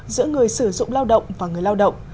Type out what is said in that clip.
giữa người sử dụng lao động và người lao động